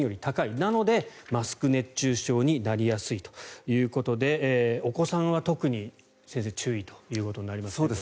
なのでマスク熱中症になりやすいということでお子さんは特に先生注意ということになります。